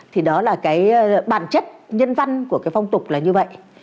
thì đó là cái bản chất nhân văn của cái phong tục là như vậy